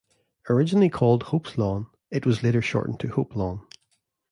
Originally called Hope's Lawn, it was later shortened to Hopelawn.